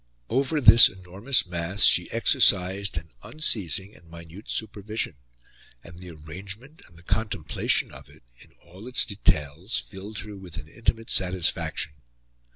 Over this enormous mass she exercised an unceasing and minute supervision, and the arrangement and the contemplation of it, in all its details, filled her with an intimate satisfaction.